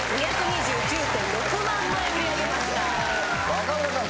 若村さん。